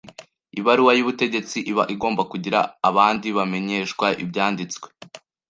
ibaruwa y’ ubutegetsi iba igomba kugira abandi bamenyeshwa ibyanditswe.